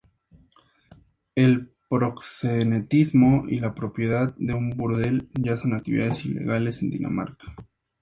El proxenetismo y la propiedad de un burdel ya son actividades ilegales en Dinamarca.